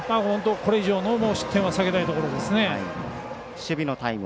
これ以上の失点は避けたいところですね。